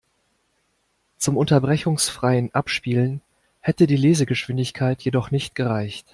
Zum unterbrechungsfreien Abspielen hätte die Lesegeschwindigkeit jedoch nicht gereicht.